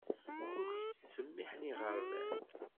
Ur k-ttsemmiiḥen iɣerban